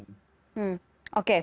hmm oke baik